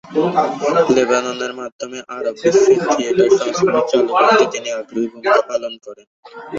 লেবাননের মাধ্যমে আরব বিশ্বের থিয়েটার সংস্কৃতি চালু করতে তিনি অগ্রণী ভূমিকা পালন করেন।